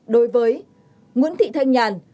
đối với nguyễn thị thanh nhàn